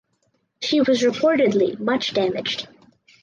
She was reportedly much damaged.